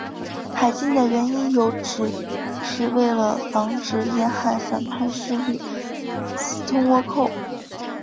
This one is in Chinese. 海禁的原因有指是为了防止沿海反叛势力私通倭寇。